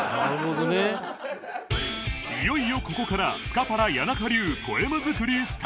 いよいよここからスカパラ谷中流ポエム作りスタート